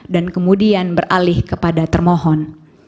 dan kemudian beralih kepada termohon